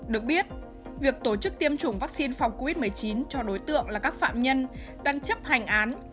được biết việc tổ chức tiêm chủng vaccine phòng covid một mươi chín cho đối tượng là các phạm nhân đang chấp hành án